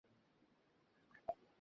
আর জানলেও আপনাকে বলতাম না।